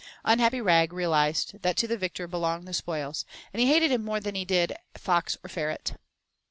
Unhappy Rag realized that to the victor belong the spoils, and he hated him more than ever he did fox or ferret.